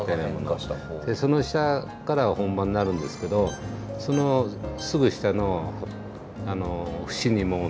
その下からは本葉になるんですけどそのすぐ下の節にも芽がないんですね。